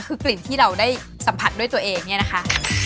คือกลิ่นที่เราได้สัมผัสด้วยตัวเองเนี่ยนะคะ